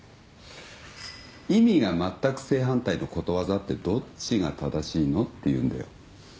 「意味が全く正反対のことわざってどっちが正しいの」って言うんだよ。